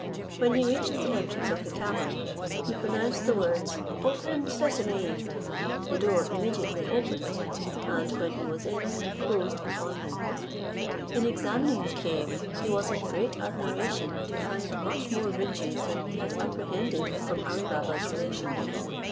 When he reached the entrance of the cavern, he pronounced the words, "Open, Sesame," the door immediately opened, and when he was in, closed upon him. In examining the cave, he was in great admiration to find much more riches than he had apprehended from Ali Baba's relation.